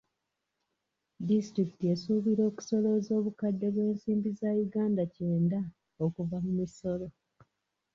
Disitulikiti esuubira okusolooza obukadde bw'ensimbi za Uganda kyenda okuva mu misolo.